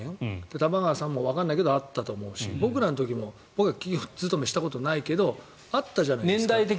玉川さんもわからないけどあったと思うし僕らの時も僕は企業勤めしたことないけどあったじゃないですか。